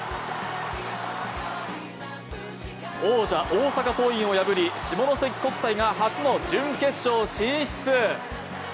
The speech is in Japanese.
王者・大阪桐蔭を破り下関国際が初の準決勝進出。